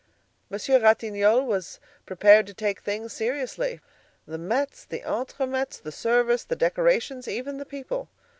Monsieur Ratignolle was prepared to take things seriously; the mets, the entre mets, the service, the decorations, even the people.